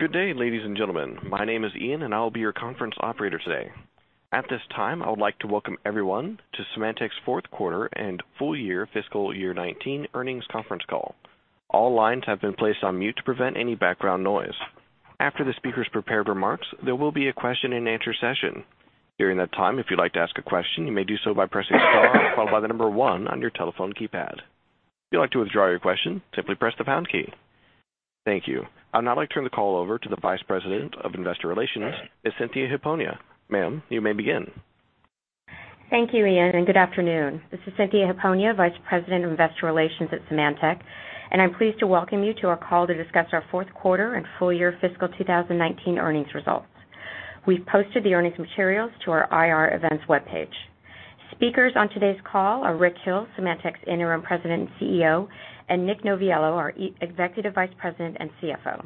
Good day, ladies and gentlemen. My name is Ian, and I will be your conference operator today. At this time, I would like to welcome everyone to Symantec's fourth quarter and full year fiscal year 2019 earnings conference call. All lines have been placed on mute to prevent any background noise. After the speakers' prepared remarks, there will be a question and answer session. During that time, if you'd like to ask a question, you may do so by pressing star followed by the number one on your telephone keypad. If you'd like to withdraw your question, simply press the pound key. Thank you. I'd now like to turn the call over to the Vice President of Investor Relations, Cynthia Hiponia. Ma'am, you may begin. Thank you, Ian, and good afternoon. This is Cynthia Hiponia, Vice President of Investor Relations at Symantec, and I'm pleased to welcome you to our call to discuss our fourth quarter and full year fiscal 2019 earnings results. We've posted the earnings materials to our IR Events webpage. Speakers on today's call are Rick Hill, Symantec's Interim President and CEO, and Nick Noviello, our Executive Vice President and CFO.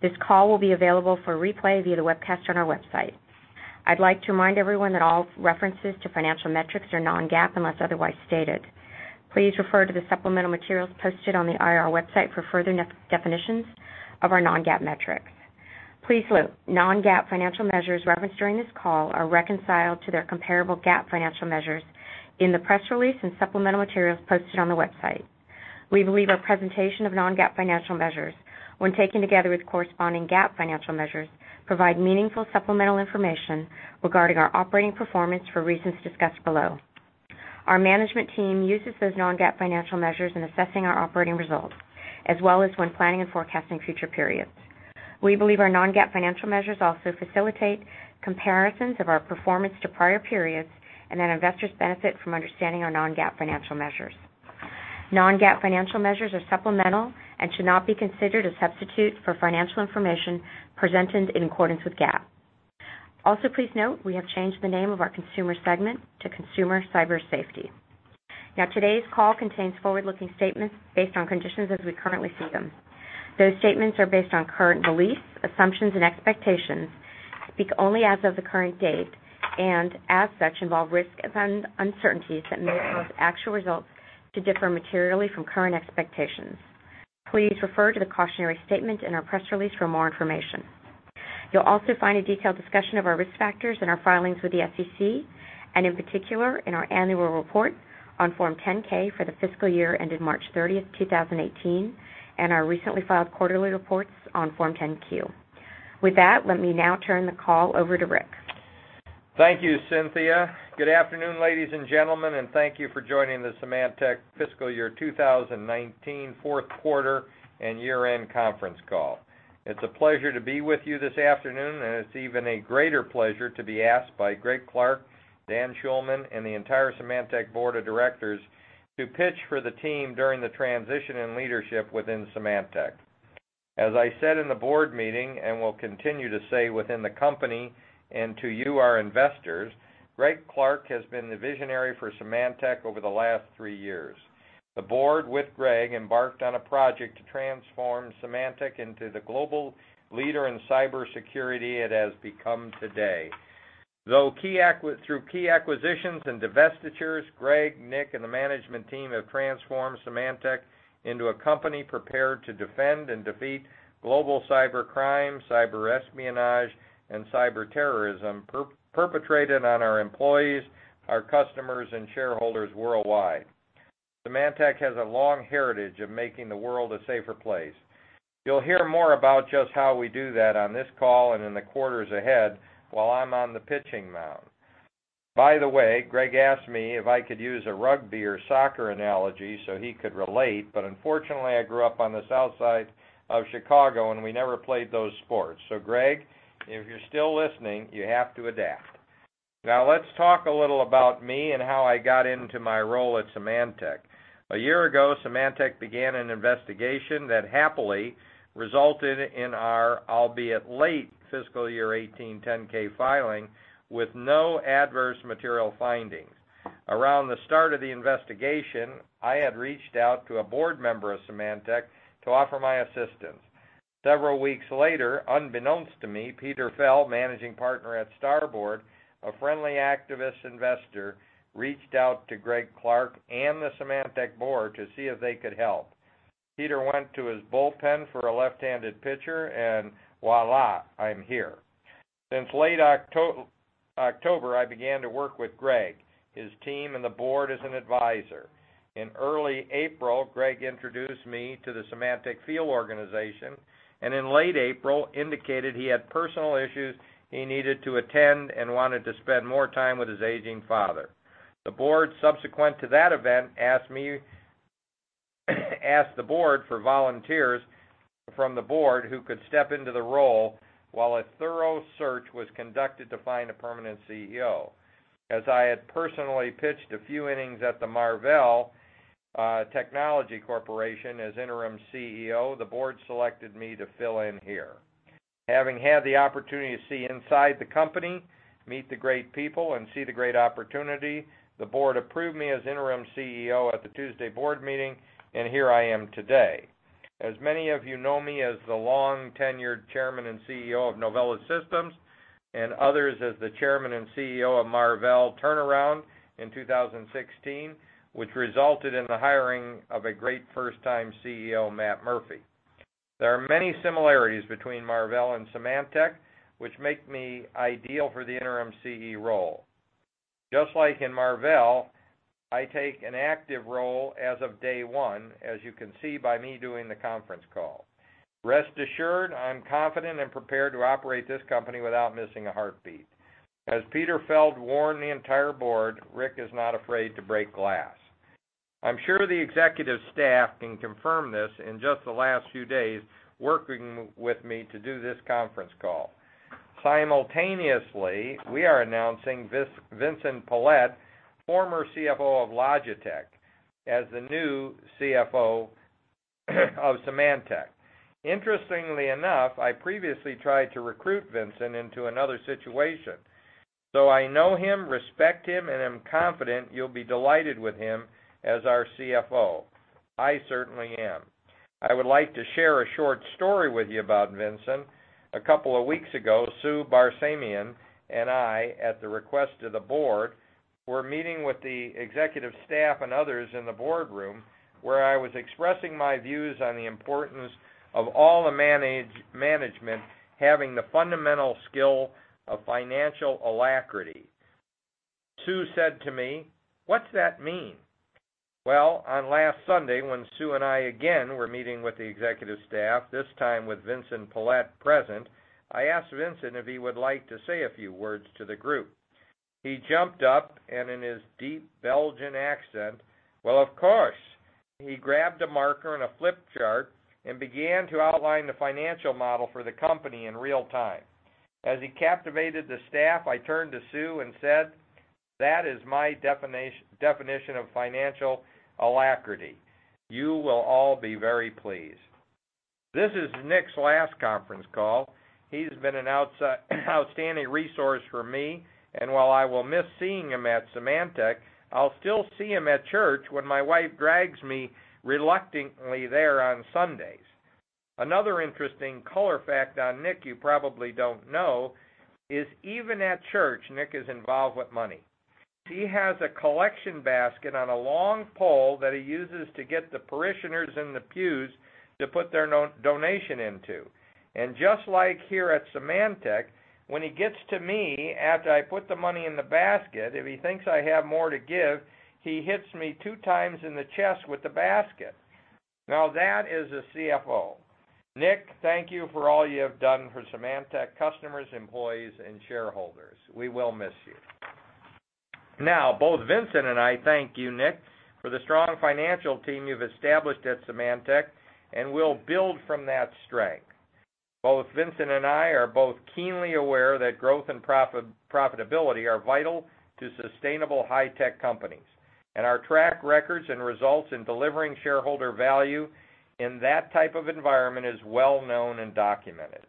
This call will be available for replay via the webcast on our website. I'd like to remind everyone that all references to financial metrics are non-GAAP unless otherwise stated. Please refer to the supplemental materials posted on the IR website for further definitions of our non-GAAP metrics. Please note, non-GAAP financial measures referenced during this call are reconciled to their comparable GAAP financial measures in the press release and supplemental materials posted on the website. We believe our presentation of non-GAAP financial measures, when taken together with corresponding GAAP financial measures, provide meaningful supplemental information regarding our operating performance for reasons discussed below. Our management team uses those non-GAAP financial measures in assessing our operating results, as well as when planning and forecasting future periods. We believe our non-GAAP financial measures also facilitate comparisons of our performance to prior periods and that investors benefit from understanding our non-GAAP financial measures. Non-GAAP financial measures are supplemental and should not be considered a substitute for financial information presented in accordance with GAAP. Also, please note, we have changed the name of our consumer segment to Consumer Cyber Safety. Today's call contains forward-looking statements based on conditions as we currently see them. Those statements are based on current beliefs, assumptions, and expectations, speak only as of the current date, and as such, involve risks and uncertainties that may cause actual results to differ materially from current expectations. Please refer to the cautionary statement in our press release for more information. You'll also find a detailed discussion of our risk factors in our filings with the SEC, and in particular, in our annual report on Form 10-K for the fiscal year ended March 30th, 2018, and our recently filed quarterly reports on Form 10-Q. Let me now turn the call over to Rick. Thank you, Cynthia. Good afternoon, ladies and gentlemen, and thank you for joining the Symantec fiscal year 2019 fourth quarter and year-end conference call. It's a pleasure to be with you this afternoon, and it's even a greater pleasure to be asked by Greg Clark, Dan Schulman, and the entire Symantec Board of Directors to pitch for the team during the transition in leadership within Symantec. As I said in the board meeting and will continue to say within the company and to you, our investors, Greg Clark has been the visionary for Symantec over the last three years. The board, with Greg, embarked on a project to transform Symantec into the global leader in cybersecurity it has become today. Through key acquisitions and divestitures, Greg, Nick, and the management team have transformed Symantec into a company prepared to defend and defeat global cybercrime, cyber espionage, and cyber terrorism perpetrated on our employees, our customers, and shareholders worldwide. Symantec has a long heritage of making the world a safer place. You'll hear more about just how we do that on this call and in the quarters ahead while I'm on the pitching mound. By the way, Greg asked me if I could use a rugby or soccer analogy so he could relate, but unfortunately, I grew up on the south side of Chicago, and we never played those sports. Greg, if you're still listening, you have to adapt. Now, let's talk a little about me and how I got into my role at Symantec. A year ago, Symantec began an investigation that happily resulted in our, albeit late, fiscal year 2018 Form 10-K filing with no adverse material findings. Around the start of the investigation, I had reached out to a board member of Symantec to offer my assistance. Several weeks later, unbeknownst to me, Peter Feld, managing partner at Starboard, a friendly activist investor, reached out to Greg Clark and the Symantec board to see if they could help. Peter went to his bullpen for a left-handed pitcher, voilà, I'm here. Since late October, I began to work with Greg, his team, and the board as an advisor. In early April, Greg introduced me to the Symantec field organization and in late April indicated he had personal issues he needed to attend and wanted to spend more time with his aging father. The board, subsequent to that event, asked the board for volunteers from the board who could step into the role while a thorough search was conducted to find a permanent CEO. As I had personally pitched a few innings at the Marvell Technology Corporation as interim CEO, the board selected me to fill in here. Having had the opportunity to see inside the company, meet the great people, and see the great opportunity, the board approved me as interim CEO at the Tuesday board meeting, here I am today. As many of you know me as the long tenured chairman and CEO of Novellus Systems, others as the chairman and CEO of Marvell turnaround in 2016, which resulted in the hiring of a great first-time CEO, Matt Murphy. There are many similarities between Marvell and Symantec which make me ideal for the interim CEO role. Just like in Marvell, I take an active role as of day one, as you can see by me doing the conference call. Rest assured, I'm confident and prepared to operate this company without missing a heartbeat. As Peter Feld warned the entire board, Rick is not afraid to break glass. I'm sure the executive staff can confirm this in just the last few days working with me to do this conference call. Simultaneously, we are announcing Vincent Pilette, former CFO of Logitech, as the new CFO of Symantec. Interestingly enough, I previously tried to recruit Vincent into another situation. I know him, respect him, and am confident you'll be delighted with him as our CFO. I certainly am. I would like to share a short story with you about Vincent. A couple of weeks ago, Sue Barsamian and I, at the request of the board, were meeting with the executive staff and others in the boardroom, where I was expressing my views on the importance of all the management having the fundamental skill of financial alacrity. Sue said to me, "What's that mean?" On last Sunday, when Sue and I again were meeting with the executive staff, this time with Vincent Pilette present, I asked Vincent if he would like to say a few words to the group. He jumped up and in his deep Belgian accent, "Well, of course." He grabbed a marker and a flip chart and began to outline the financial model for the company in real time. As he captivated the staff, I turned to Sue and said, "That is my definition of financial alacrity." You will all be very pleased. This is Nick's last conference call. He's been an outstanding resource for me, and while I will miss seeing him at Symantec, I'll still see him at church when my wife drags me reluctantly there on Sundays. Another interesting color fact on Nick you probably don't know is even at church, Nick is involved with money. He has a collection basket on a long pole that he uses to get the parishioners in the pews to put their donation into. Just like here at Symantec, when he gets to me, after I put the money in the basket, if he thinks I have more to give, he hits me two times in the chest with the basket. That is a CFO. Nick, thank you for all you have done for Symantec customers, employees, and shareholders. We will miss you. Both Vincent and I thank you, Nick, for the strong financial team you've established at Symantec, and we'll build from that strength. Both Vincent and I are both keenly aware that growth and profitability are vital to sustainable high-tech companies, and our track records and results in delivering shareholder value in that type of environment is well known and documented.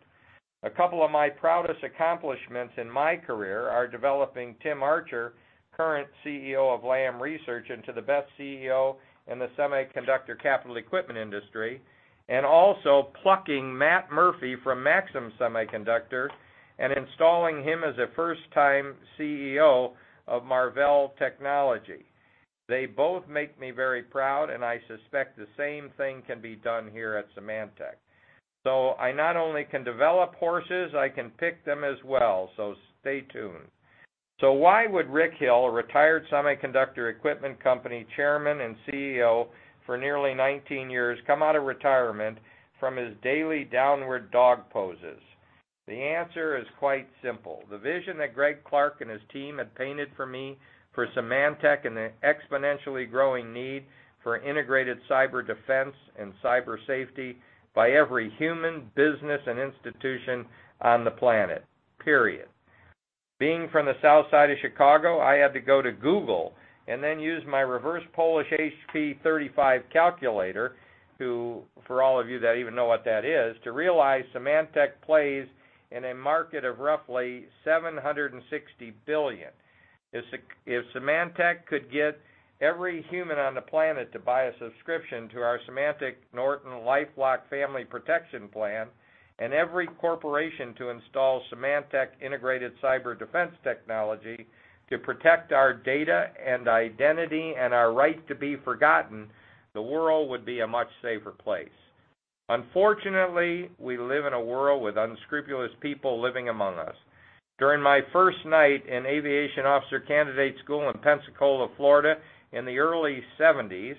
A couple of my proudest accomplishments in my career are developing Tim Archer, current CEO of Lam Research, into the best CEO in the semiconductor capital equipment industry, and also plucking Matt Murphy from Maxim Integrated and installing him as a first-time CEO of Marvell Technology. They both make me very proud, and I suspect the same thing can be done here at Symantec. I not only can develop horses, I can pick them as well. Stay tuned. Why would Rick Hill, a retired semiconductor equipment company Chairman and CEO for nearly 19 years, come out of retirement from his daily downward dog poses? The answer is quite simple. The vision that Greg Clark and his team have painted for me for Symantec and the exponentially growing need for integrated cyber defense and cyber safety by every human, business, and institution on the planet. Period. Being from the South Side of Chicago, I had to go to Google and then use my reverse Polish HP-35 calculator, who for all of you that even know what that is, to realize Symantec plays in a market of roughly $760 billion. If Symantec could get every human on the planet to buy a subscription to our Symantec NortonLifeLock Family Protection Plan and every corporation to install Symantec integrated cyber defense technology to protect our data and identity and our right to be forgotten, the world would be a much safer place. Unfortunately, we live in a world with unscrupulous people living among us. During my first night in Aviation Officer Candidate School in Pensacola, Florida, in the early '70s,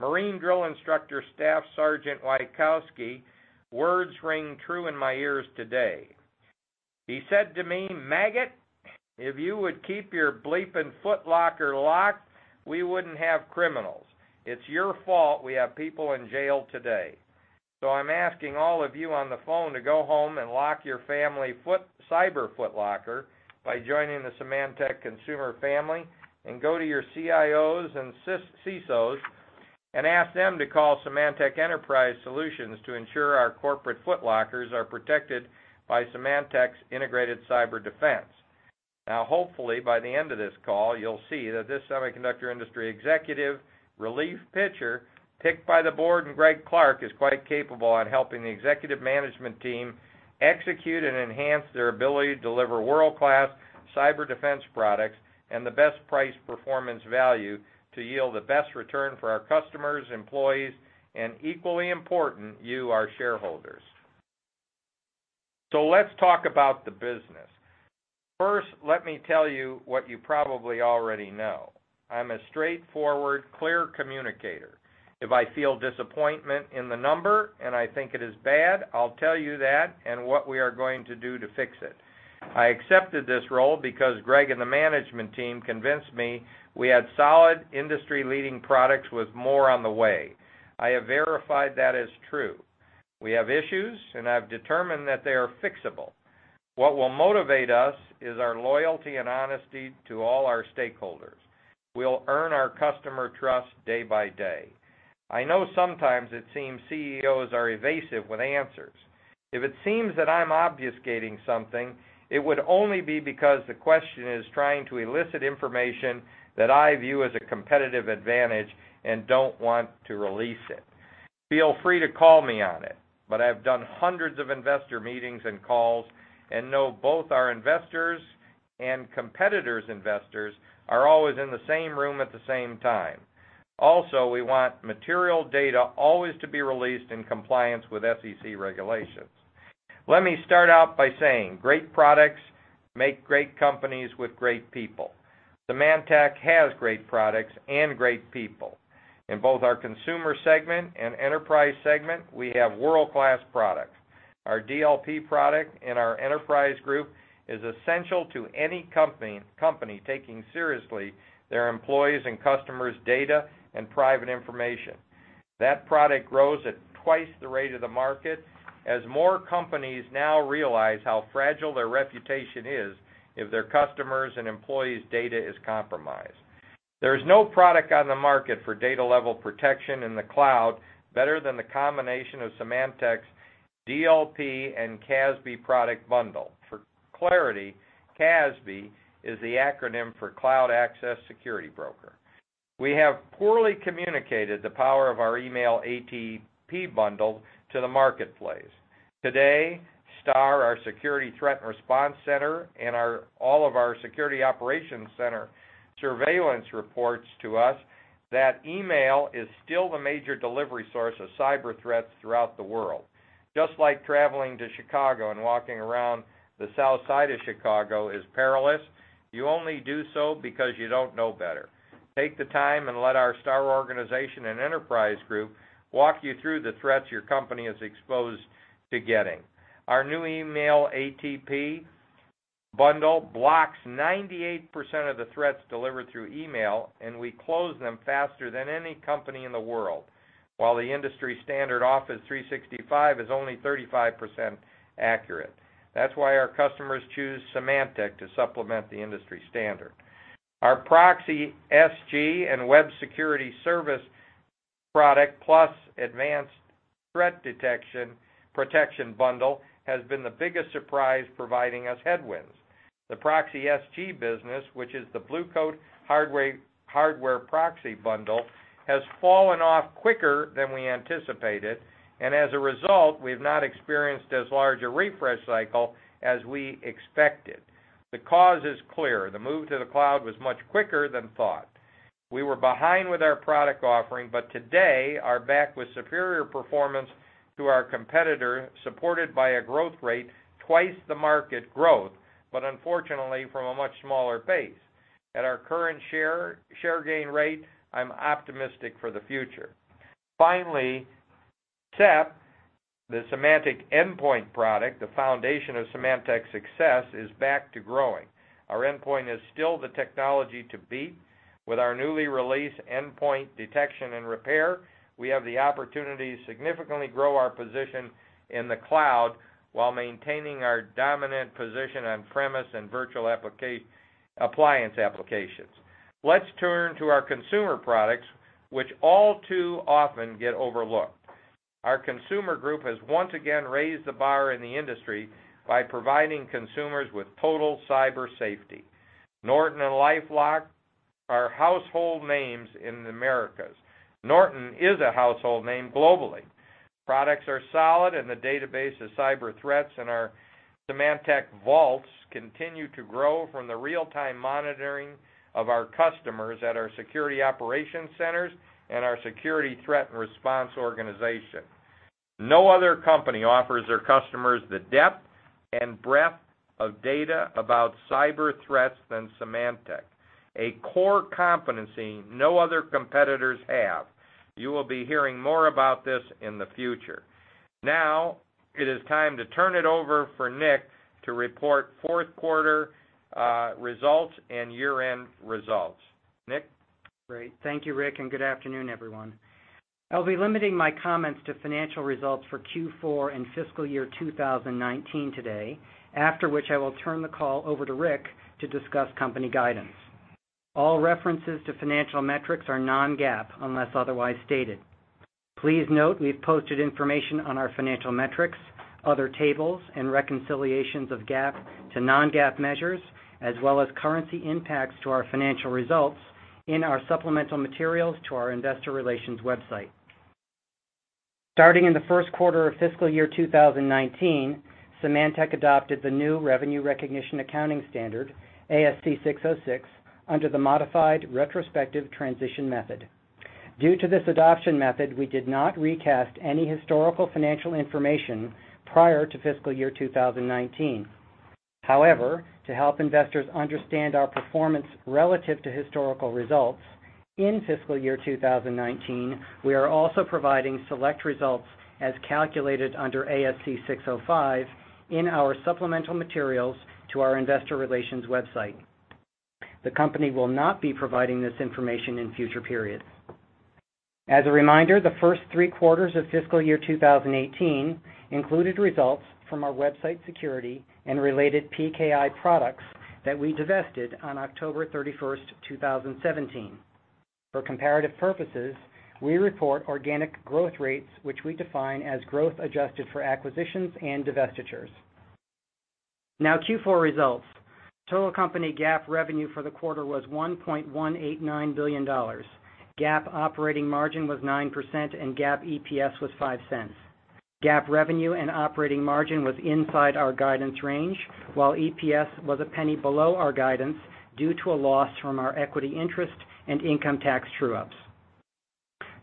Marine Drill Instructor Staff Sergeant Wykowski words ring true in my ears today. He said to me, "Maggot, if you would keep your bleeping footlocker locked, we wouldn't have criminals. It's your fault we have people in jail today." I'm asking all of you on the phone to go home and lock your family cyber footlocker by joining the Symantec Consumer family and go to your CIOs and CISOs and ask them to call Symantec Enterprise Solutions to ensure our corporate footlockers are protected by Symantec's integrated cyber defense. Hopefully, by the end of this call, you'll see that this semiconductor industry executive relief pitcher, picked by the board and Greg Clark, is quite capable on helping the executive management team execute and enhance their ability to deliver world-class cyber defense products and the best price-performance value to yield the best return for our customers, employees, and equally important, you, our shareholders. Let's talk about the business. First, let me tell you what you probably already know. I'm a straightforward, clear communicator. If I feel disappointment in the number, and I think it is bad, I'll tell you that and what we are going to do to fix it. I accepted this role because Greg and the management team convinced me we had solid industry-leading products with more on the way. I have verified that as true. We have issues, and I've determined that they are fixable. What will motivate us is our loyalty and honesty to all our stakeholders. We'll earn our customer trust day by day. I know sometimes it seems CEOs are evasive with answers. If it seems that I'm obfuscating something, it would only be because the question is trying to elicit information that I view as a competitive advantage and don't want to release it. Feel free to call me on it. I've done hundreds of investor meetings and calls and know both our investors and competitors' investors are always in the same room at the same time. We want material data always to be released in compliance with SEC regulations. Let me start out by saying great products make great companies with great people. Symantec has great products and great people. In both our Consumer segment and Enterprise segment, we have world-class products. Our DLP product in our Enterprise group is essential to any company taking seriously their employees' and customers' data and private information. That product grows at twice the rate of the market as more companies now realize how fragile their reputation is if their customers' and employees' data is compromised. There is no product on the market for data level protection in the cloud better than the combination of Symantec's DLP and CASB product bundle. For clarity, CASB is the acronym for Cloud Access Security Broker. We have poorly communicated the power of our email ATP bundle to the marketplace. Today, STAR, our Security Technology and Response center, and all of our security operations center surveillance reports to us that email is still the major delivery source of cyber threats throughout the world. Just like traveling to Chicago and walking around the South Side of Chicago is perilous, you only do so because you don't know better. Take the time and let our STAR organization and Enterprise group walk you through the threats your company is exposed to getting. Our new email ATP bundle blocks 98% of the threats delivered through email. We close them faster than any company in the world. While the industry standard Office 365 is only 35% accurate. That's why our customers choose Symantec to supplement the industry standard. Our ProxySG and Web Security Service product plus advanced threat protection bundle has been the biggest surprise providing us headwinds. The ProxySG business, which is the Blue Coat hardware proxy bundle, has fallen off quicker than we anticipated, and as a result, we've not experienced as large a refresh cycle as we expected. The cause is clear. The move to the cloud was much quicker than thought. We were behind with our product offering, but today are back with superior performance to our competitor, supported by a growth rate twice the market growth. Unfortunately, from a much smaller base. At our current share gain rate, I'm optimistic for the future. Finally, SEP, the Symantec Endpoint Protection product, the foundation of Symantec's success, is back to growing. Our endpoint is still the technology to beat. With our newly released endpoint detection and repair, we have the opportunity to significantly grow our position in the cloud while maintaining our dominant position on-premise and virtual appliance applications. Let's turn to our Consumer products, which all too often get overlooked. Our Consumer group has once again raised the bar in the industry by providing consumers with total cyber safety. Norton and LifeLock are household names in the Americas. Norton is a household name globally. Products are solid, and the database of cyber threats in our Symantec vaults continue to grow from the real-time monitoring of our customers at our security operations centers and our Security Technology and Response organization. No other company offers their customers the depth and breadth of data about cyber threats than Symantec, a core competency no other competitors have. You will be hearing more about this in the future. It is time to turn it over for Nick to report fourth quarter results and year-end results. Nick? Great. Thank you, Rick, good afternoon, everyone. I'll be limiting my comments to financial results for Q4 and fiscal year 2019 today, after which I will turn the call over to Rick to discuss company guidance. All references to financial metrics are non-GAAP, unless otherwise stated. Please note we've posted information on our financial metrics, other tables, and reconciliations of GAAP to non-GAAP measures, as well as currency impacts to our financial results in our supplemental materials to our investor relations website. Starting in the first quarter of fiscal year 2019, Symantec adopted the new revenue recognition accounting standard, ASC 606, under the modified retrospective transition method. Due to this adoption method, we did not recast any historical financial information prior to fiscal year 2019. To help investors understand our performance relative to historical results in fiscal year 2019, we are also providing select results as calculated under ASC 605 in our supplemental materials to our investor relations website. The company will not be providing this information in future periods. As a reminder, the first three quarters of fiscal year 2018 included results from our website security and related PKI products that we divested on October 31st, 2017. For comparative purposes, we report organic growth rates, which we define as growth adjusted for acquisitions and divestitures. Q4 results. Total company GAAP revenue for the quarter was $1.189 billion. GAAP operating margin was 9%, and GAAP EPS was $0.05. GAAP revenue and operating margin was inside our guidance range, while EPS was $0.01 below our guidance due to a loss from our equity interest and income tax true-ups.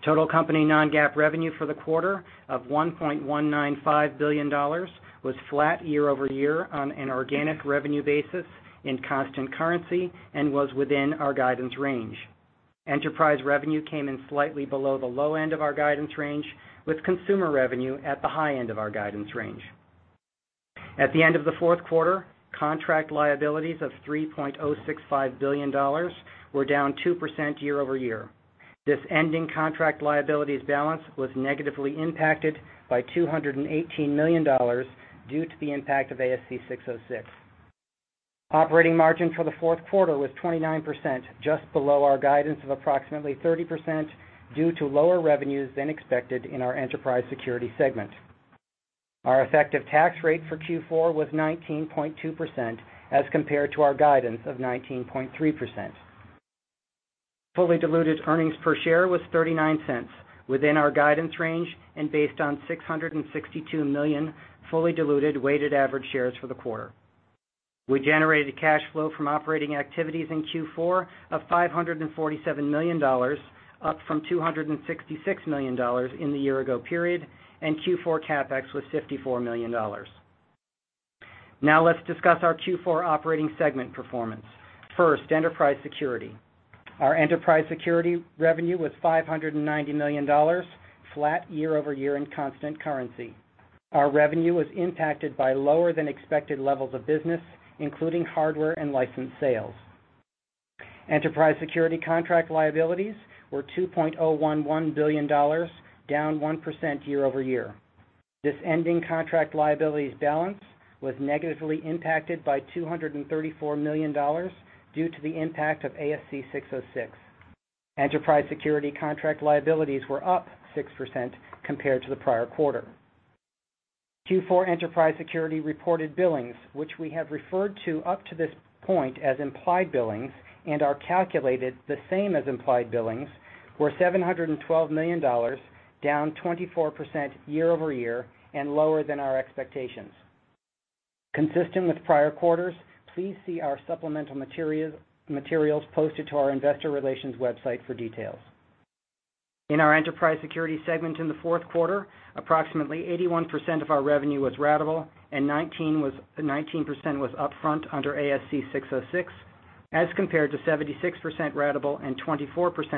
Total company non-GAAP revenue for the quarter of $1.195 billion was flat year-over-year on an organic revenue basis in constant currency and was within our guidance range. Enterprise revenue came in slightly below the low end of our guidance range, with consumer revenue at the high end of our guidance range. At the end of the fourth quarter, contract liabilities of $3.065 billion were down 2% year-over-year. This ending contract liabilities balance was negatively impacted by $218 million due to the impact of ASC 606. Operating margin for the fourth quarter was 29%, just below our guidance of approximately 30% due to lower revenues than expected in our Enterprise Security segment. Our effective tax rate for Q4 was 19.2% as compared to our guidance of 19.3%. Fully diluted EPS was $0.39, within our guidance range and based on 662 million fully diluted weighted average shares for the quarter. We generated cash flow from operating activities in Q4 of $547 million, up from $266 million in the year-ago period, and Q4 CapEx was $54 million. Let's discuss our Q4 operating segment performance. First, Enterprise Security. Our Enterprise Security revenue was $590 million, flat year-over-year in constant currency. Our revenue was impacted by lower than expected levels of business, including hardware and license sales. Enterprise Security contract liabilities were $2.011 billion, down 1% year-over-year. This ending contract liabilities balance was negatively impacted by $234 million due to the impact of ASC 606. Enterprise Security contract liabilities were up 6% compared to the prior quarter. Q4 Enterprise Security reported billings, which we have referred to up to this point as implied billings and are calculated the same as implied billings, were $712 million, down 24% year-over-year and lower than our expectations. Consistent with prior quarters, please see our supplemental materials posted to our investor relations website for details. In our Enterprise Security segment in the fourth quarter, approximately 81% of our revenue was ratable and 19% was upfront under ASC 606, as compared to 76% ratable and 24%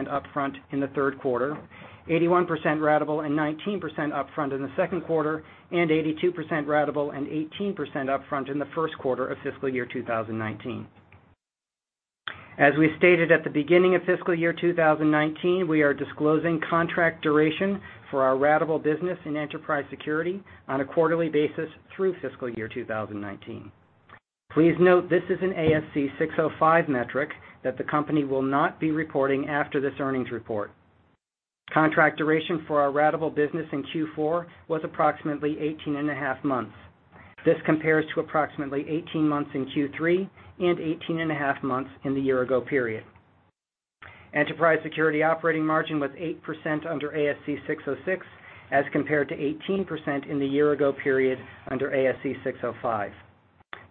upfront in the third quarter, 81% ratable and 19% upfront in the second quarter, and 82% ratable and 18% upfront in the first quarter of fiscal year 2019. We stated at the beginning of fiscal year 2019, we are disclosing contract duration for our ratable business in Enterprise Security on a quarterly basis through fiscal year 2019. Please note, this is an ASC 605 metric that the company will not be reporting after this earnings report. Contract duration for our ratable business in Q4 was approximately 18 and a half months. This compares to approximately 18 months in Q3 and 18 and a half months in the year-ago period. Enterprise Security operating margin was 8% under ASC 606, as compared to 18% in the year-ago period under ASC 605.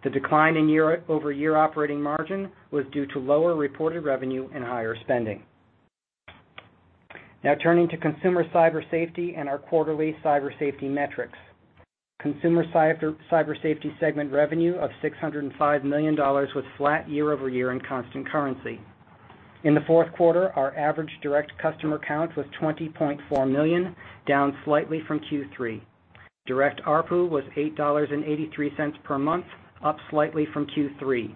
The decline in year-over-year operating margin was due to lower reported revenue and higher spending. Turning to Consumer Cyber Safety and our quarterly Cyber Safety metrics. Consumer Cyber Safety segment revenue of $605 million was flat year-over-year in constant currency. In the fourth quarter, our average direct customer count was 20.4 million, down slightly from Q3. Direct ARPU was $8.83 per month, up slightly from Q3.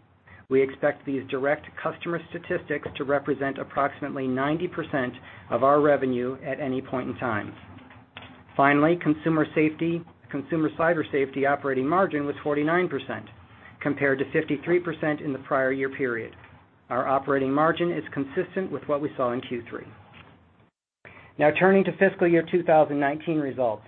We expect these direct customer statistics to represent approximately 90% of our revenue at any point in time. Finally, Consumer Cyber Safety operating margin was 49%, compared to 53% in the prior year period. Our operating margin is consistent with what we saw in Q3. Turning to fiscal year 2019 results.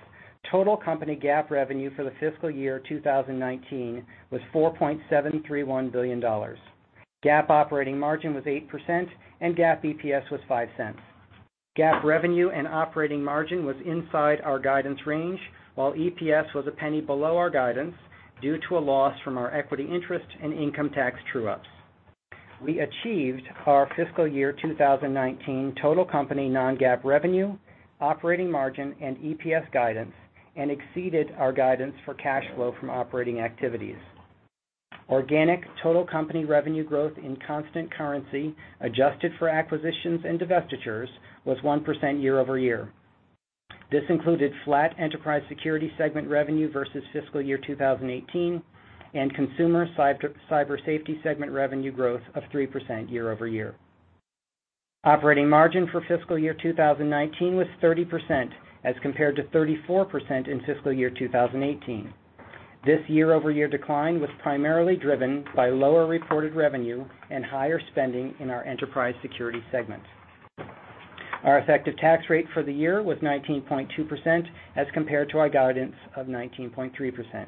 Total company GAAP revenue for the fiscal year 2019 was $4.731 billion. GAAP operating margin was 8%, and GAAP EPS was $0.05. GAAP revenue and operating margin was inside our guidance range, while EPS was a penny below our guidance due to a loss from our equity interest and income tax true-ups. We achieved our fiscal year 2019 total company non-GAAP revenue, operating margin, and EPS guidance, and exceeded our guidance for cash flow from operating activities. Organic total company revenue growth in constant currency, adjusted for acquisitions and divestitures, was 1% year-over-year. This included flat Enterprise Security segment revenue versus fiscal year 2018 and Consumer Cyber Safety segment revenue growth of 3% year-over-year. Operating margin for fiscal year 2019 was 30% as compared to 34% in fiscal year 2018. This year-over-year decline was primarily driven by lower reported revenue and higher spending in our Enterprise Security segment. Our effective tax rate for the year was 19.2% as compared to our guidance of 19.3%.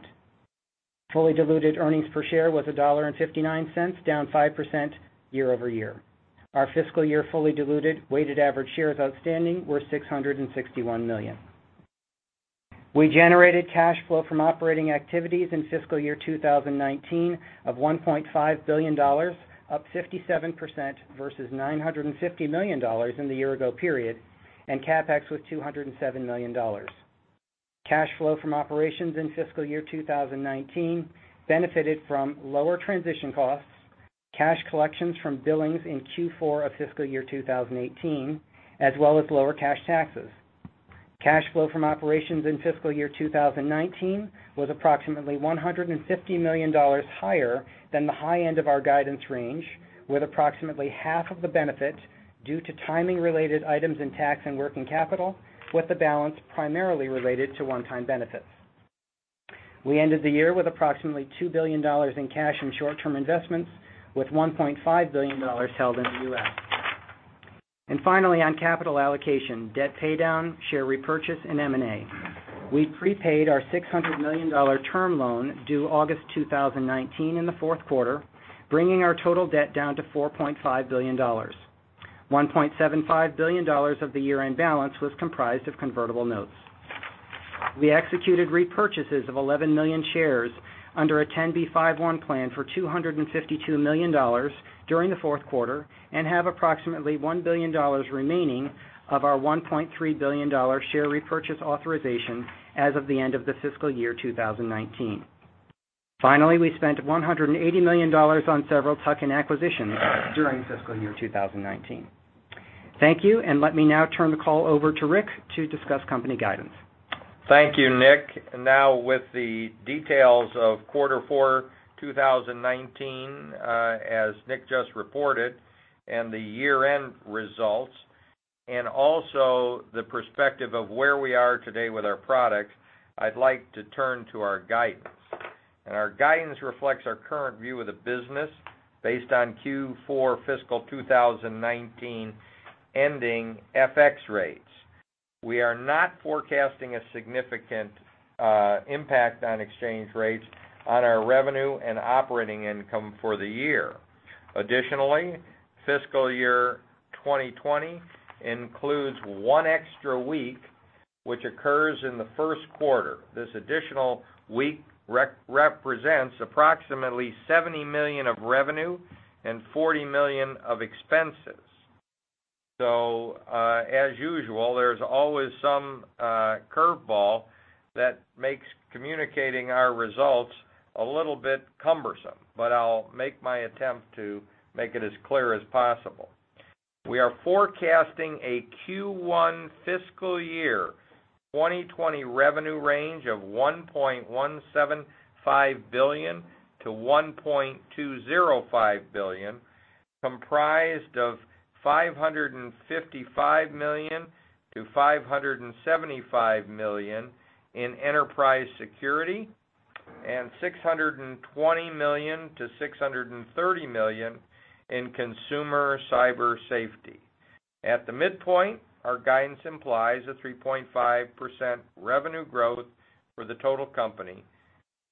Fully diluted earnings per share was $1.59, down 5% year-over-year. Our fiscal year fully diluted weighted average shares outstanding were 661 million. We generated cash flow from operating activities in fiscal year 2019 of $1.5 billion, up 57% versus $950 million in the year ago period, and CapEx was $207 million. Cash flow from operations in fiscal year 2019 benefited from lower transition costs, cash collections from billings in Q4 of fiscal year 2018, as well as lower cash taxes. Cash flow from operations in fiscal year 2019 was approximately $150 million higher than the high end of our guidance range, with approximately half of the benefit due to timing-related items in tax and working capital, with the balance primarily related to one-time benefits. We ended the year with approximately $2 billion in cash and short-term investments, with $1.5 billion held in the U.S. Finally, on capital allocation, debt paydown, share repurchase, and M&A. We prepaid our $600 million term loan due August 2019 in the fourth quarter, bringing our total debt down to $4.5 billion. $1.75 billion of the year-end balance was comprised of convertible notes. We executed repurchases of 11 million shares under a 10b5-1 plan for $252 million during the fourth quarter and have approximately $1 billion remaining of our $1.3 billion share repurchase authorization as of the end of the fiscal year 2019. Finally, we spent $180 million on several tuck-in acquisitions during fiscal year 2019. Thank you. Let me now turn the call over to Rick to discuss company guidance. Thank you, Nick. Now with the details of quarter four 2019, as Nick just reported, the year-end results, also the perspective of where we are today with our products, I'd like to turn to our guidance. Our guidance reflects our current view of the business based on Q4 fiscal 2019 ending FX rates. We are not forecasting a significant impact on exchange rates on our revenue and operating income for the year. Additionally, fiscal year 2020 includes one extra week, which occurs in the first quarter. This additional week represents approximately $70 million of revenue and $40 million of expenses. As usual, there's always some curveball that makes communicating our results a little bit cumbersome, but I'll make my attempt to make it as clear as possible. We are forecasting a Q1 fiscal year 2020 revenue range of $1.175 billion-$1.205 billion, comprised of $555 million-$575 million in Enterprise Security and $620 million-$630 million in Consumer Cyber Safety. At the midpoint, our guidance implies a 3.5% revenue growth for the total company,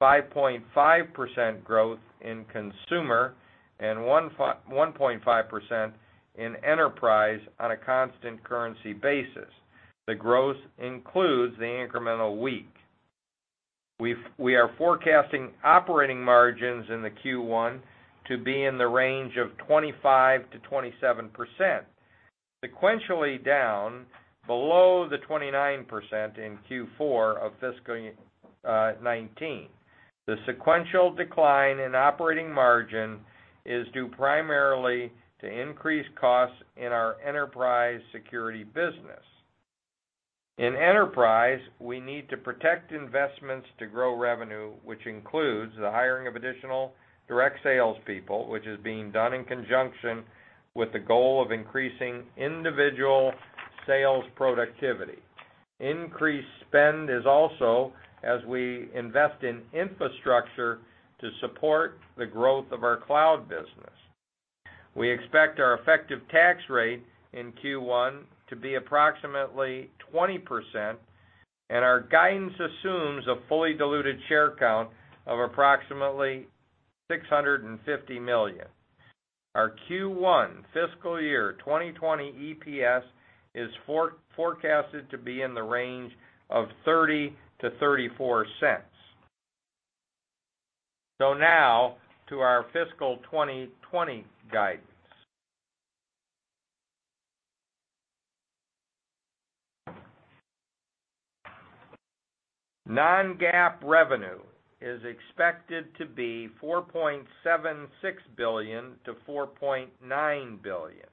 5.5% growth in consumer and 1.5% in enterprise on a constant currency basis. The growth includes the incremental week. We are forecasting operating margins in the Q1 to be in the range of 25%-27%, sequentially down below the 29% in Q4 of fiscal year 2019. The sequential decline in operating margin is due primarily to increased costs in our Enterprise Security business. In Enterprise, we need to protect investments to grow revenue, which includes the hiring of additional direct salespeople, which is being done in conjunction with the goal of increasing individual sales productivity. Increased spend is also as we invest in infrastructure to support the growth of our cloud business. We expect our effective tax rate in Q1 to be approximately 20%, and our guidance assumes a fully diluted share count of approximately 650 million. Our Q1 fiscal year 2020 EPS is forecasted to be in the range of $0.30-$0.34. Now to our fiscal year 2020 guidance. Non-GAAP revenue is expected to be $4.76 billion-$4.9 billion.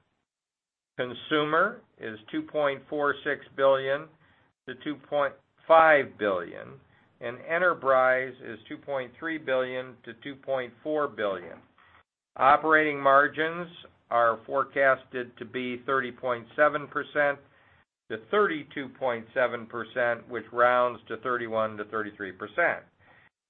Consumer is $2.46 billion-$2.5 billion, and enterprise is $2.3 billion-$2.4 billion. Operating margins are forecasted to be 30.7%-32.7%, which rounds to 31%-33%.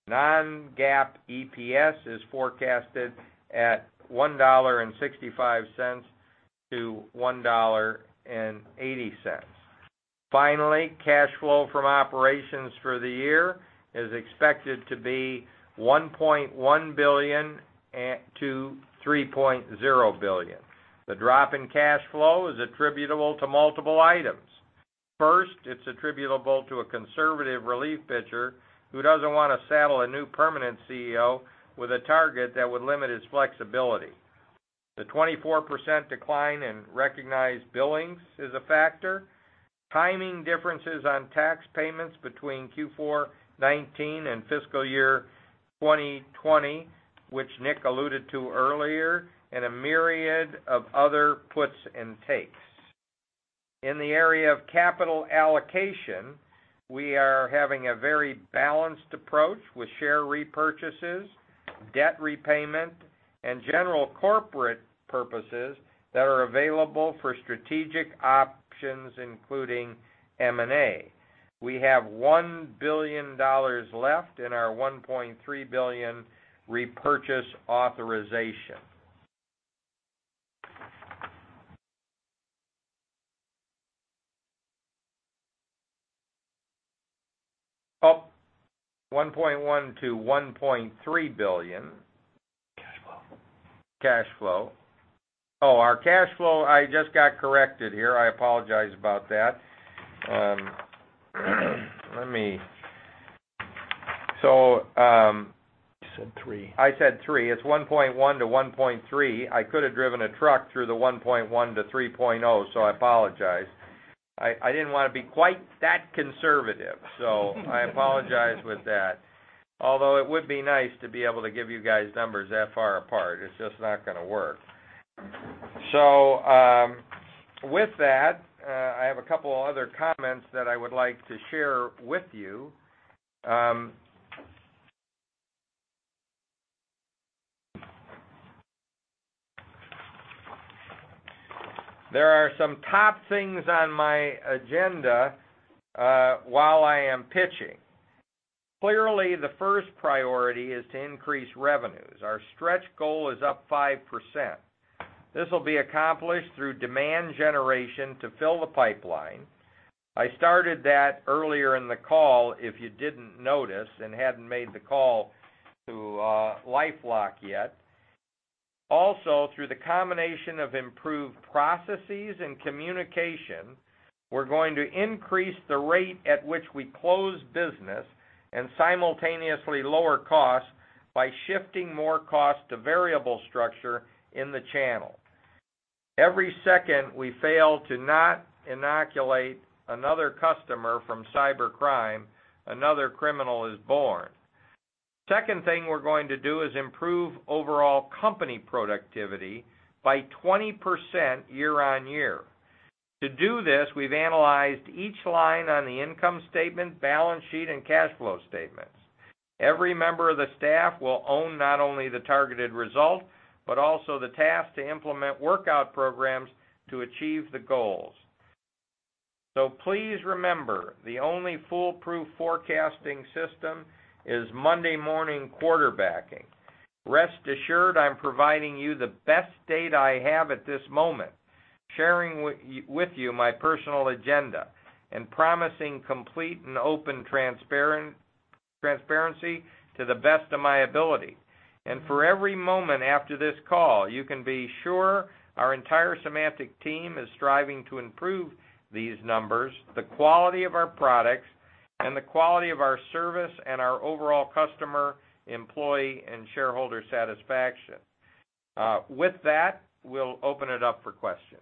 Non-GAAP EPS is forecasted at $1.65-$1.80. Finally, cash flow from operations for the year is expected to be $1.1 billion-$3.0 billion. The drop in cash flow is attributable to multiple items. First, it's attributable to a conservative relief pitcher who doesn't want to saddle a new permanent CEO with a target that would limit his flexibility. The 24% decline in recognized billings is a factor. Timing differences on tax payments between Q4 2019 and fiscal year 2020, which Nick alluded to earlier, and a myriad of other puts and takes. In the area of capital allocation, we are having a very balanced approach with share repurchases, debt repayment, and general corporate purposes that are available for strategic options, including M&A. We have $1 billion left in our $1.3 billion repurchase authorization. $1.1 billion-$1.3 billion. Cash flow. Cash flow. Our cash flow, I just got corrected here. I apologize about that. I said three. It's $1.1 to $1.3. I could have driven a truck through the $1.1 to $3.0, I apologize. I didn't want to be quite that conservative, I apologize with that. Although it would be nice to be able to give you guys numbers that far apart, it's just not going to work. With that, I have a couple other comments that I would like to share with you. There are some top things on my agenda while I am pitching. Clearly, the first priority is to increase revenues. Our stretch goal is up 5%. This will be accomplished through demand generation to fill the pipeline. I started that earlier in the call, if you didn't notice and hadn't made the call to LifeLock yet. Through the combination of improved processes and communication, we're going to increase the rate at which we close business and simultaneously lower costs by shifting more costs to variable structure in the channel. Every second we fail to not inoculate another customer from cybercrime, another criminal is born. Second thing we're going to do is improve overall company productivity by 20% year-on-year. To do this, we've analyzed each line on the income statement, balance sheet, and cash flow statements. Every member of the staff will own not only the targeted result, but also the task to implement workout programs to achieve the goals. Please remember, the only foolproof forecasting system is Monday morning quarterbacking. Rest assured, I'm providing you the best data I have at this moment, sharing with you my personal agenda, and promising complete and open transparency to the best of my ability. For every moment after this call, you can be sure our entire Symantec team is striving to improve these numbers, the quality of our products, and the quality of our service and our overall customer, employee, and shareholder satisfaction. With that, we'll open it up for questions.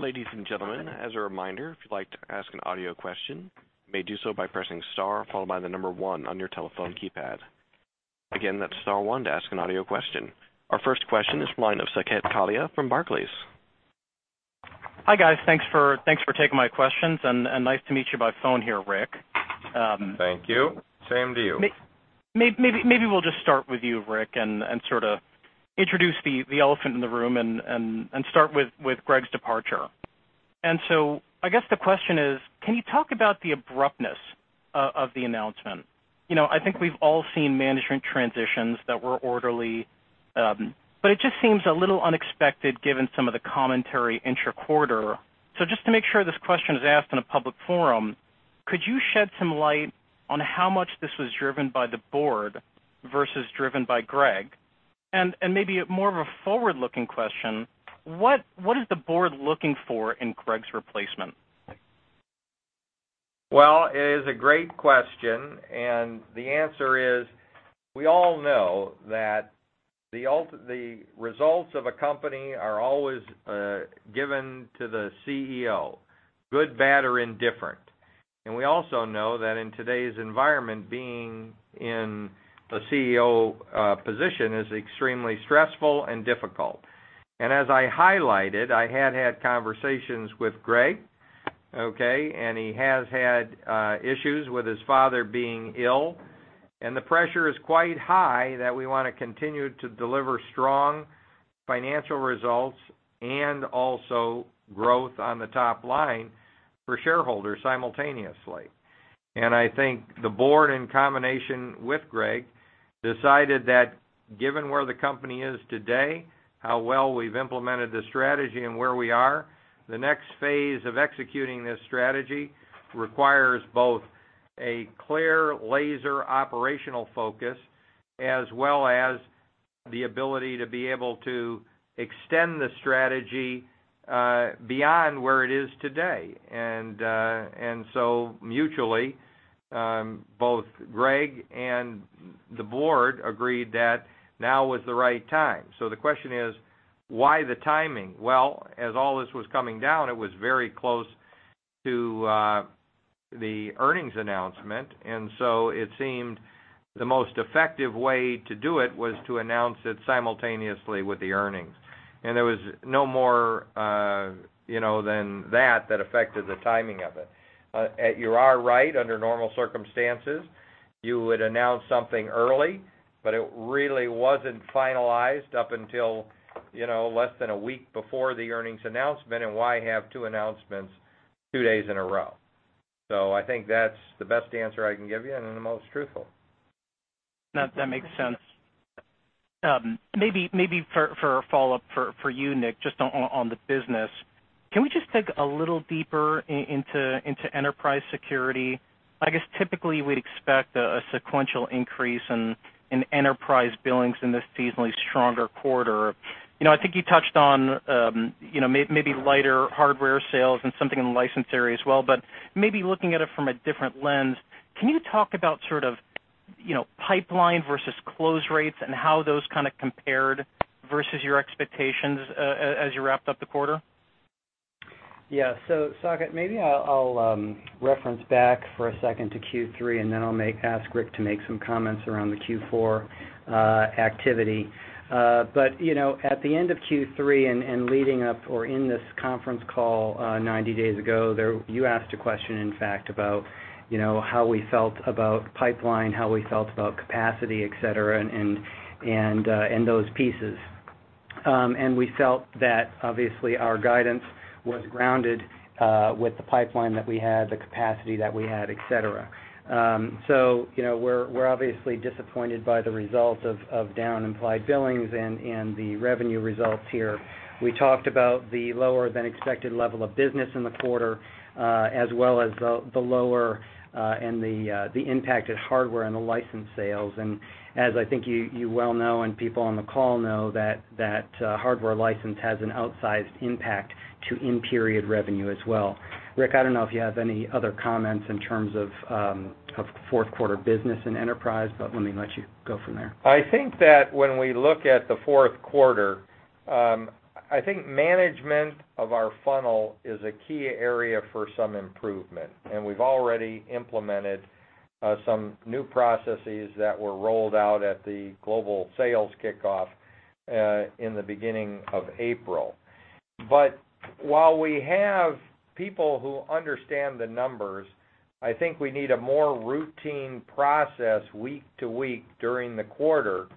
Ladies and gentlemen, as a reminder, if you'd like to ask an audio question, you may do so by pressing star followed by the number 1 on your telephone keypad. Again, that's star 1 to ask an audio question. Our first question is from the line of Saket Kalia from Barclays. Hi, guys. Thanks for taking my questions, nice to meet you by phone here, Rick. Thank you. Same to you. Maybe we'll just start with you, Rick, sort of introduce the elephant in the room and start with Greg's departure. I guess the question is: Can you talk about the abruptness of the announcement? I think we've all seen management transitions that were orderly, it just seems a little unexpected given some of the commentary inter-quarter. Just to make sure this question is asked in a public forum, could you shed some light on how much this was driven by the board versus driven by Greg? Maybe more of a forward-looking question, what is the board looking for in Greg's replacement? Well, it is a great question, the answer is, we all know that the results of a company are always given to the CEO, good, bad, or indifferent. We also know that in today's environment, being in the CEO position is extremely stressful and difficult. As I highlighted, I had had conversations with Greg, okay? He has had issues with his father being ill, and the pressure is quite high that we want to continue to deliver strong financial results and also growth on the top line for shareholders simultaneously. I think the board, in combination with Greg, decided that given where the company is today, how well we've implemented the strategy and where we are, the next phase of executing this strategy requires both a clear laser operational focus as well as the ability to be able to extend the strategy beyond where it is today. Mutually, both Greg and the board agreed that now was the right time. The question is, why the timing? Well, as all this was coming down, it was very close to the earnings announcement, and it seemed the most effective way to do it was to announce it simultaneously with the earnings. There was no more than that affected the timing of it. You are right, under normal circumstances, you would announce something early, but it really wasn't finalized up until less than a week before the earnings announcement, and why have 2 announcements 2 days in a row? I think that's the best answer I can give you and the most truthful. No, that makes sense. Maybe for a follow-up for you, Nick, just on the business, can we just dig a little deeper into Enterprise Security? Typically we'd expect a sequential increase in enterprise billings in this seasonally stronger quarter. You touched on maybe lighter hardware sales and something in license area as well, but maybe looking at it from a different lens, can you talk about sort of pipeline versus close rates and how those kind of compared versus your expectations as you wrapped up the quarter? Saket, maybe I'll reference back for a second to Q3, and then I'll ask Rick to make some comments around the Q4 activity. At the end of Q3 and leading up or in this conference call 90 days ago, you asked a question, in fact, about how we felt about pipeline, how we felt about capacity, et cetera, and those pieces. We felt that obviously our guidance was grounded with the pipeline that we had, the capacity that we had, et cetera. We're obviously disappointed by the result of down implied billings and the revenue results here. We talked about the lower than expected level of business in the quarter, as well as the lower and the impact at hardware and the license sales. As I think you well know, and people on the call know that hardware license has an outsized impact to in-period revenue as well. Rick, I don't know if you have any other comments in terms of fourth quarter business and Enterprise, let me let you go from there. I think that when we look at the fourth quarter, I think management of our funnel is a key area for some improvement, we've already implemented some new processes that were rolled out at the global sales kickoff in the beginning of April. While we have people who understand the numbers, I think we need a more routine process week to week during the quarter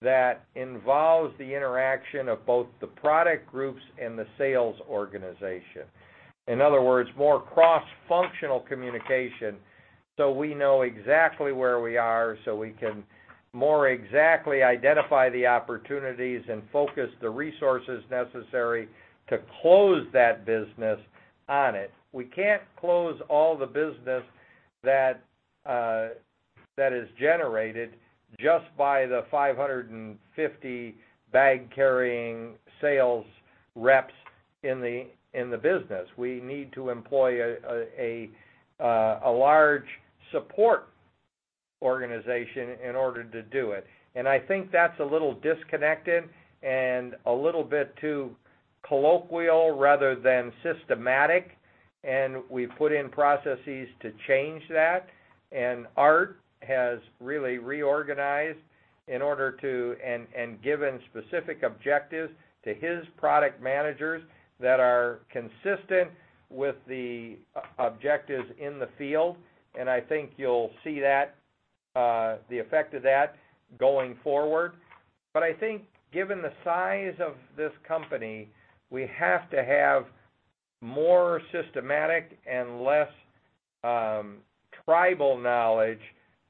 that involves the interaction of both the product groups and the sales organization. In other words, more cross-functional communication so we know exactly where we are, so we can more exactly identify the opportunities and focus the resources necessary to close that business on it. We can't close all the business that is generated just by the 550 bag-carrying sales reps in the business. We need to employ a large support organization in order to do it. I think that's a little disconnected and a little bit too colloquial rather than systematic, we put in processes to change that. Art has really reorganized in order to and given specific objectives to his product managers that are consistent with the objectives in the field. I think you'll see the effect of that going forward. I think given the size of this company, we have to have more systematic and less tribal knowledge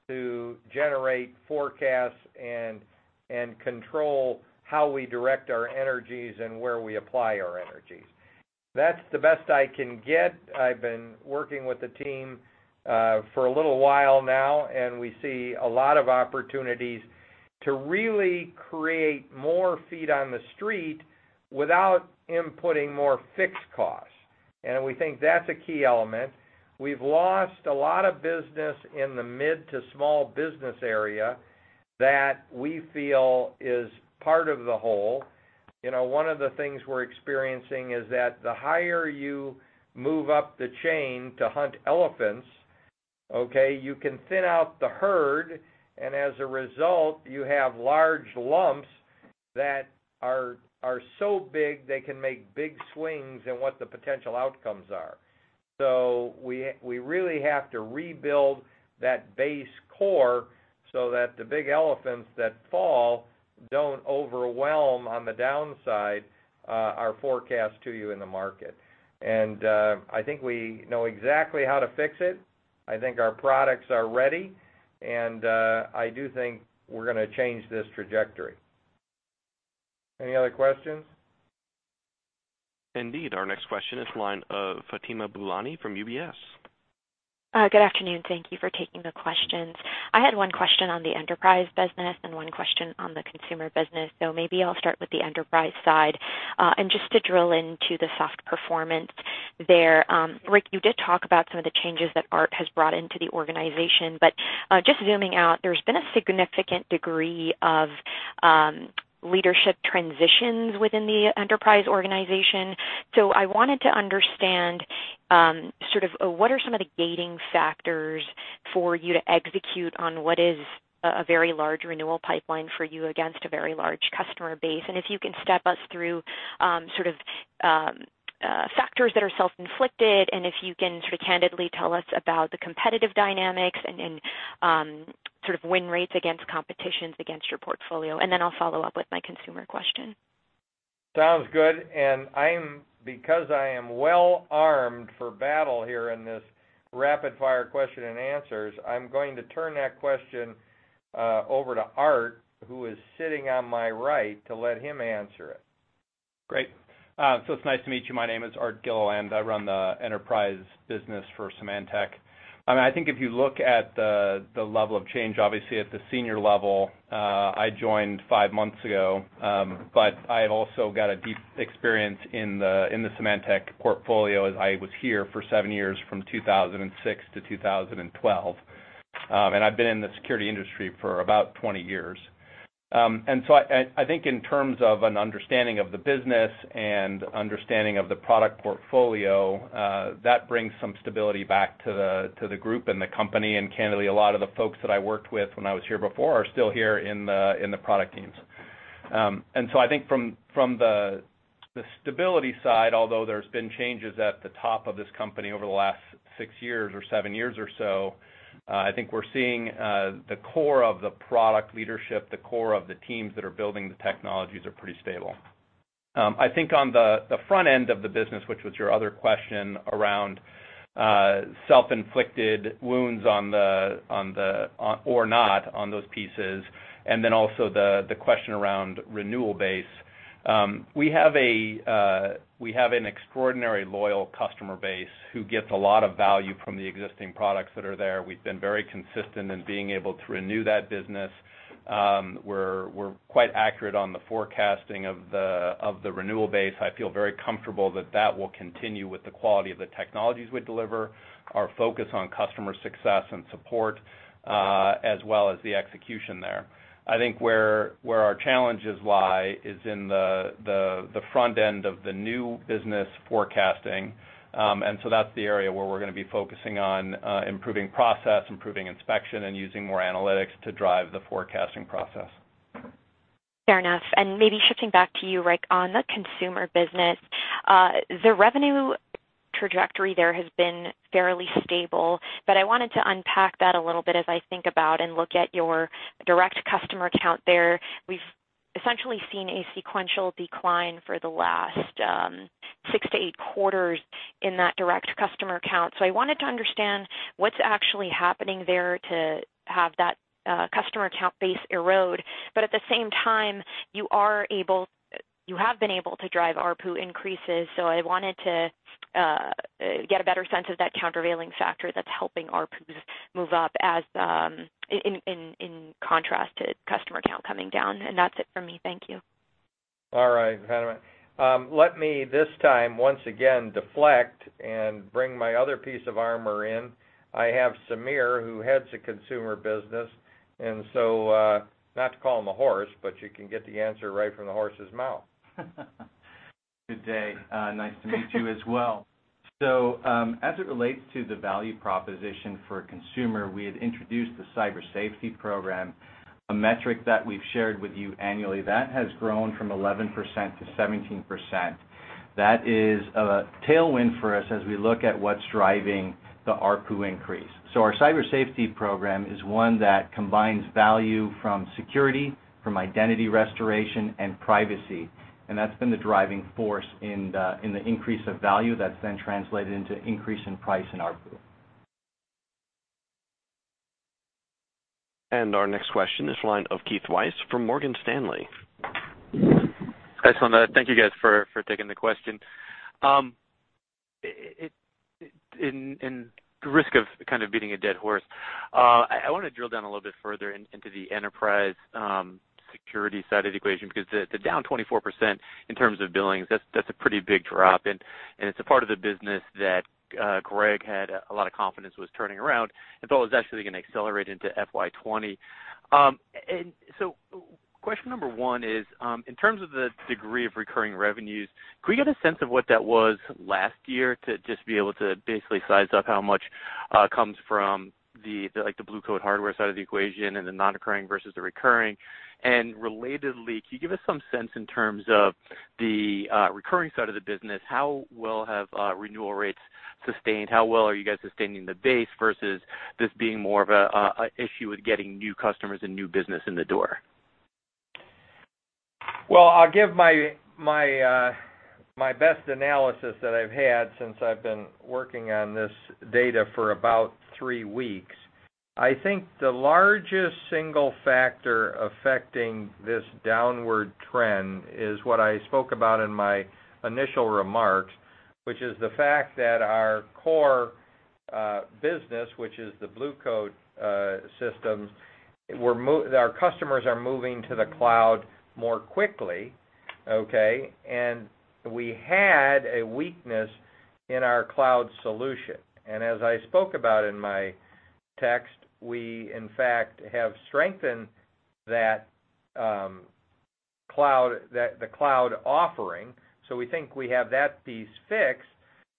to generate forecasts and control how we direct our energies and where we apply our energies. That's the best I can get. I've been working with the team for a little while now, we see a lot of opportunities to really create more feet on the street without inputting more fixed costs. We think that's a key element. We've lost a lot of business in the mid to small business area that we feel is part of the whole. One of the things we're experiencing is that the higher you move up the chain to hunt elephants, okay, you can thin out the herd, as a result, you have large lumps that are so big they can make big swings in what the potential outcomes are. We really have to rebuild that base core so that the big elephants that fall don't overwhelm, on the downside, our forecast to you in the market. I think we know exactly how to fix it. I think our products are ready, I do think we're going to change this trajectory. Any other questions? Indeed. Our next question is the line of Fatima Boolani from UBS. Good afternoon. Thank you for taking the questions. I had one question on the Enterprise Security business and one question on the Consumer Cyber Safety business, maybe I'll start with the enterprise side. Just to drill into the soft performance there, Rick, you did talk about some of the changes that Art has brought into the organization. Just zooming out, there's been a significant degree of leadership transitions within the Enterprise Security organization. I wanted to understand what are some of the gating factors for you to execute on what is a very large renewal pipeline for you against a very large customer base? If you can step us through factors that are self-inflicted, and if you can sort of candidly tell us about the competitive dynamics and win rates against competitions against your portfolio, I'll follow up with my Consumer Cyber Safety question. Sounds good. Because I am well-armed for battle here in this rapid-fire question and answers, I'm going to turn that question over to Art, who is sitting on my right, to let him answer it. Great. It's nice to meet you. My name is Art Gilliland. I run the Enterprise Security business for Symantec. I think if you look at the level of change, obviously at the senior level, I joined five months ago. I've also got a deep experience in the Symantec portfolio, as I was here for seven years, from 2006 to 2012. I've been in the security industry for about 20 years. I think in terms of an understanding of the business and understanding of the product portfolio, that brings some stability back to the group and the company. Candidly, a lot of the folks that I worked with when I was here before are still here in the product teams. I think from the stability side, although there's been changes at the top of this company over the last six years or seven years or so, I think we're seeing the core of the product leadership, the core of the teams that are building the technologies are pretty stable. I think on the front end of the business, which was your other question around self-inflicted wounds or not on those pieces, and then also the question around renewal base. We have an extraordinary loyal customer base who gets a lot of value from the existing products that are there. We've been very consistent in being able to renew that business. We're quite accurate on the forecasting of the renewal base. I feel very comfortable that that will continue with the quality of the technologies we deliver, our focus on customer success and support, as well as the execution there. I think where our challenges lie is in the front end of the new business forecasting. That's the area where we're going to be focusing on improving process, improving inspection, and using more analytics to drive the forecasting process. Fair enough. Maybe shifting back to you, Rick, on the consumer business. The revenue trajectory there has been fairly stable, but I wanted to unpack that a little bit as I think about and look at your direct customer count there. We've essentially seen a sequential decline for the last six to eight quarters in that direct customer count. I wanted to understand what's actually happening there to have that customer count base erode. At the same time, you have been able to drive ARPU increases. I wanted to get a better sense of that countervailing factor that's helping ARPUs move up in contrast to customer count coming down. That's it for me. Thank you. All right, Fatima. Let me this time, once again, deflect and bring my other piece of armor in. I have Samir, who heads the consumer business, and so, not to call him a horse, but you can get the answer right from the horse's mouth. Good day. Nice to meet you as well. As it relates to the value proposition for a consumer, we had introduced the Cyber Safety Program, a metric that we've shared with you annually. That has grown from 11% to 17%. That is a tailwind for us as we look at what's driving the ARPU increase. Our Cyber Safety Program is one that combines value from security, from identity restoration, and privacy, and that's been the driving force in the increase of value that's then translated into increase in price and ARPU. Our next question is the line of Keith Weiss from Morgan Stanley. Hi, Cynthia. Thank you guys for taking the question. At risk of kind of beating a dead horse, I want to drill down a little bit further into the enterprise security side of the equation, because they're down 24% in terms of billings. That's a pretty big drop, it's a part of the business that Greg had a lot of confidence was turning around and thought was actually going to accelerate into FY 2020. Question number one is, in terms of the degree of recurring revenues, could we get a sense of what that was last year to just be able to basically size up how much comes from the Blue Coat hardware side of the equation and the non-recurring versus the recurring? Relatedly, can you give us some sense in terms of the recurring side of the business, how well have renewal rates sustained? How well are you guys sustaining the base versus this being more of an issue with getting new customers and new business in the door? I'll give my best analysis that I've had since I've been working on this data for about three weeks. I think the largest single factor affecting this downward trend is what I spoke about in my initial remarks, which is the fact that our core business, which is the Blue Coat systems, our customers are moving to the cloud more quickly, okay? We had a weakness in our cloud solution. As I spoke about in my text, we in fact have strengthened the cloud offering. We think we have that piece fixed,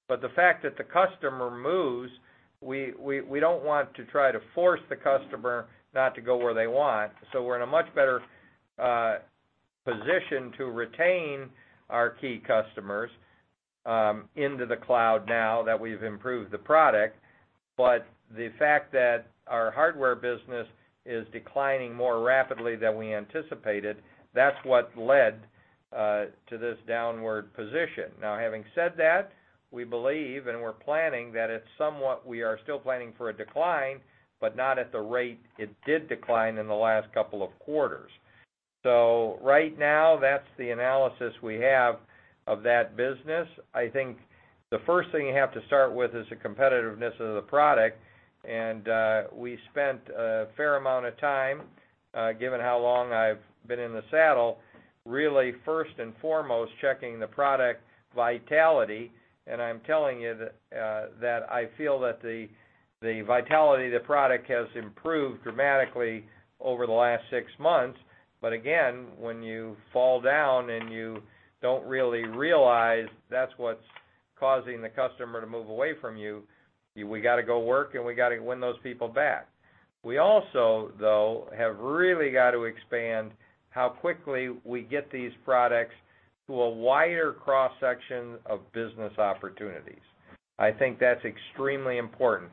but the fact that the customer moves, we don't want to try to force the customer not to go where they want. We're in a much better position to retain our key customers into the cloud now that we've improved the product. The fact that our hardware business is declining more rapidly than we anticipated, that's what led to this downward position. Now, having said that, we believe and we're planning that it's somewhat, we are still planning for a decline, but not at the rate it did decline in the last couple of quarters. Right now, that's the analysis we have of that business. I think the first thing you have to start with is the competitiveness of the product, and we spent a fair amount of time, given how long I've been in the saddle, really first and foremost, checking the product vitality, and I'm telling you that I feel that the vitality of the product has improved dramatically over the last six months. Again, when you fall down and you don't really realize that's what's causing the customer to move away from you, we got to go work, and we got to win those people back. We also, though, have really got to expand how quickly we get these products to a wider cross-section of business opportunities. I think that's extremely important.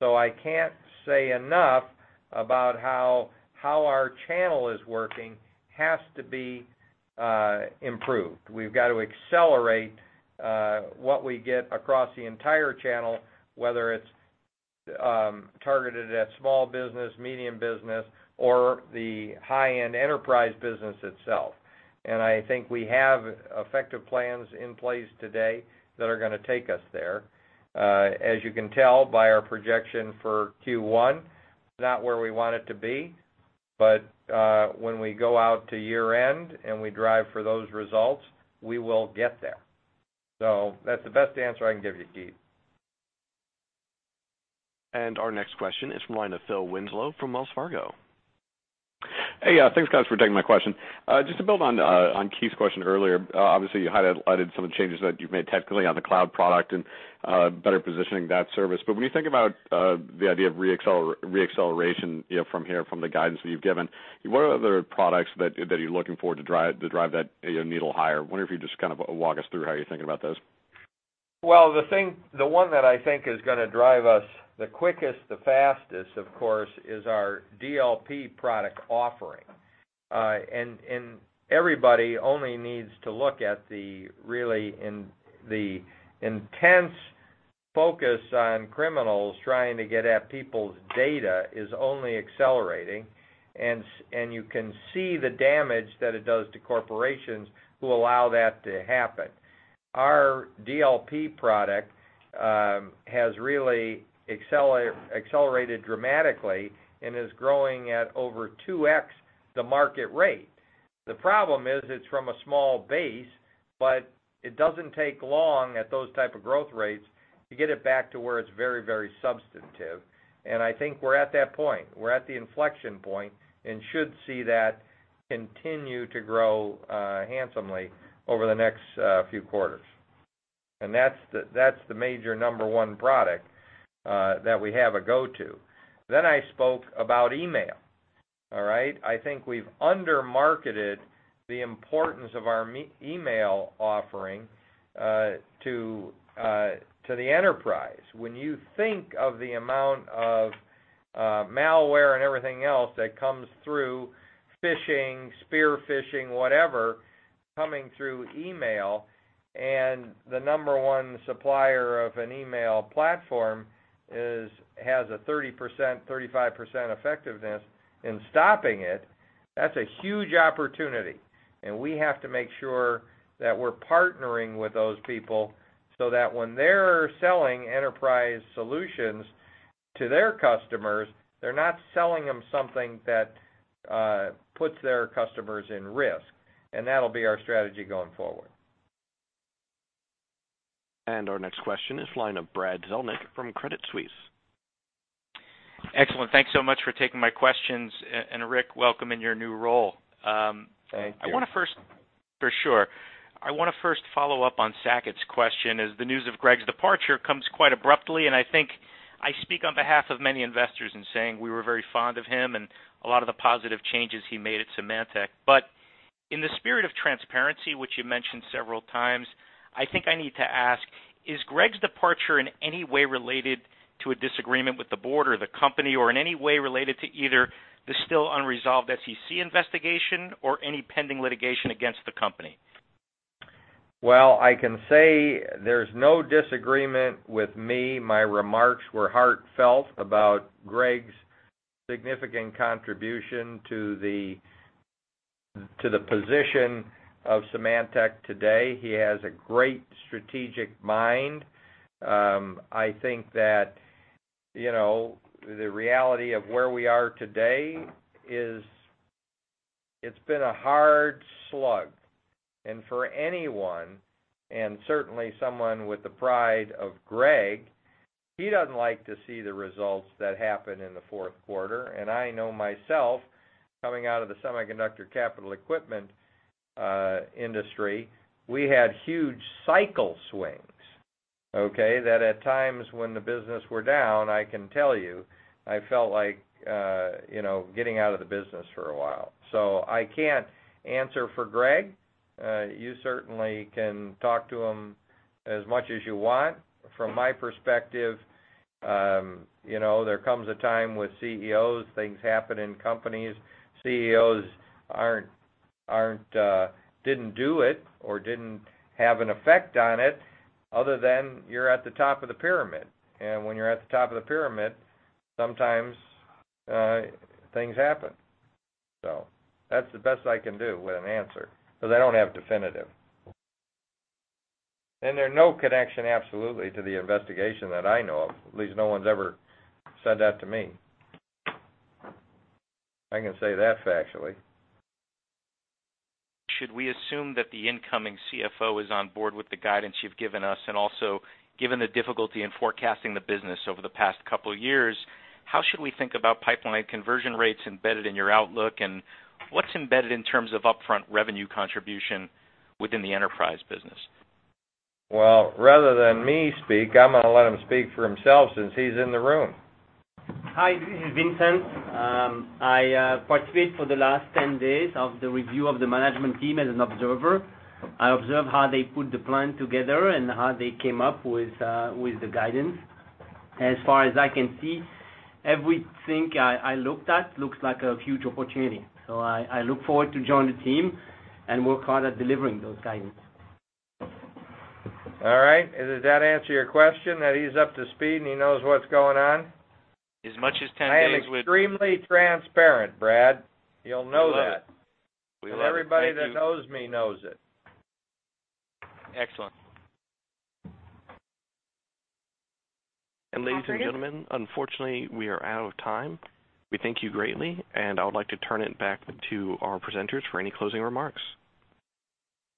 I can't say enough about how our channel is working has to be improved. We've got to accelerate what we get across the entire channel, whether it's targeted at small business, medium business, or the high-end enterprise business itself. I think we have effective plans in place today that are going to take us there. As you can tell by our projection for Q1, it's not where we want it to be, when we go out to year-end and we drive for those results, we will get there. That's the best answer I can give you, Keith. Our next question is from the line of Phil Winslow from Wells Fargo. Hey, thanks guys for taking my question. Just to build on Keith's question earlier, obviously you highlighted some of the changes that you've made technically on the cloud product and better positioning that service. When you think about the idea of re-acceleration from here, from the guidance that you've given, what are other products that you're looking for to drive that needle higher? Wondering if you'd just kind of walk us through how you're thinking about those. The one that I think is going to drive us the quickest, the fastest, of course, is our DLP product offering. Everybody only needs to look at the really intense focus on criminals trying to get at people's data is only accelerating, and you can see the damage that it does to corporations who allow that to happen. Our DLP product has really accelerated dramatically and is growing at over 2x the market rate. The problem is it's from a small base, it doesn't take long at those type of growth rates to get it back to where it's very, very substantive. I think we're at that point. We're at the inflection point and should see that continue to grow handsomely over the next few quarters. That's the major number one product that we have a go-to. Then I spoke about email. All right. I think we've under-marketed the importance of our email offering to the enterprise. When you think of the amount of malware and everything else that comes through phishing, spear phishing, whatever, coming through email, and the number one supplier of an email platform has a 30%-35% effectiveness in stopping it, that's a huge opportunity, and we have to make sure that we're partnering with those people so that when they're selling enterprise solutions to their customers, they're not selling them something that puts their customers in risk. That'll be our strategy going forward. Our next question is line of Brad Zelnick from Credit Suisse. Excellent. Thanks so much for taking my questions, and Rick, welcome in your new role. Thank you. For sure. I want to first follow up on Saket's question, as the news of Greg's departure comes quite abruptly, and I think I speak on behalf of many investors in saying we were very fond of him and a lot of the positive changes he made at Symantec. In the spirit of transparency, which you mentioned several times, I think I need to ask, is Greg's departure in any way related to a disagreement with the board or the company, or in any way related to either the still unresolved SEC investigation or any pending litigation against the company? Well, I can say there's no disagreement with me. My remarks were heartfelt about Greg's significant contribution to the position of Symantec today. He has a great strategic mind. I think that, the reality of where we are today is it's been a hard slug. For anyone, and certainly someone with the pride of Greg, he doesn't like to see the results that happened in the fourth quarter. I know myself, coming out of the semiconductor capital equipment industry, we had huge cycle swings, okay? That at times when the business was down, I can tell you, I felt like getting out of the business for a while. I can't answer for Greg. You certainly can talk to him as much as you want. From my perspective, there comes a time with CEOs, things happen in companies. CEOs didn't do it or didn't have an effect on it other than you're at the top of the pyramid. When you're at the top of the pyramid, sometimes things happen. That's the best I can do with an answer, because I don't have definitive. There is no connection absolutely to the investigation that I know of. At least no one's ever said that to me. I can say that factually. Should we assume that the incoming CFO is on board with the guidance you've given us? Also, given the difficulty in forecasting the business over the past couple of years, how should we think about pipeline conversion rates embedded in your outlook? What's embedded in terms of upfront revenue contribution within the Enterprise Business? Well, rather than me speak, I'm going to let him speak for himself since he's in the room. Hi, this is Vincent. I participate for the last 10 days of the review of the management team as an observer. I observe how they put the plan together and how they came up with the guidance. As far as I can see, everything I looked at looks like a huge opportunity. I look forward to join the team and work hard at delivering those guidance. All right. Does that answer your question, that he's up to speed, and he knows what's going on? As much as 10 days would I am extremely transparent, Brad. You'll know that. We love it. Thank you. Everybody that knows me knows it. Excellent. Ladies and gentlemen, unfortunately, we are out of time. We thank you greatly, and I would like to turn it back to our presenters for any closing remarks.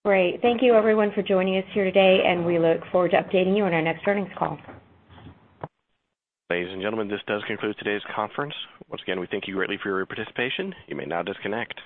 Great. Thank you everyone for joining us here today, and we look forward to updating you on our next earnings call. Ladies and gentlemen, this does conclude today's conference. Once again, we thank you greatly for your participation. You may now disconnect.